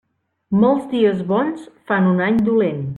Molts dies bons fan un any dolent.